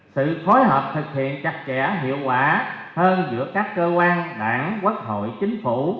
sự phối hợp thực hiện chặt chẽ hiệu quả hơn giữa các cơ quan đảng quốc hội chính phủ